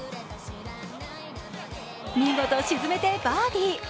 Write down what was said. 見事沈めてバーディー。